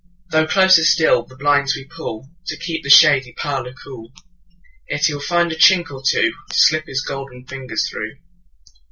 Though closer still the blinds we pullTo keep the shady parlour cool, Yet he will find a chink or twoTo slip his golden fingers through.